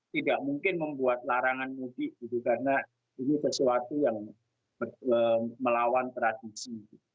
tidak mungkin membuat larangan mudik gitu karena ini sesuatu yang melawan tradisi